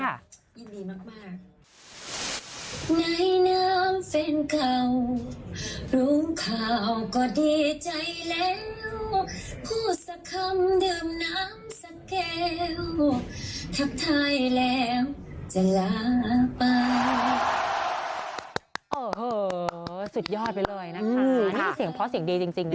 สุดยอดไปเลยนะคะนี่เป็นเสียงเพราะเสียงดีจริงนะครับ